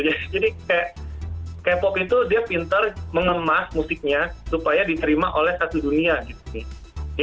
jadi kayak k pop itu dia pinter mengemas musiknya supaya diterima oleh satu dunia gitu sih